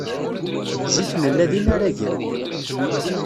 Zik nella d inaragen.